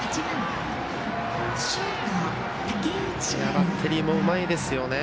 バッテリーもうまいですよね。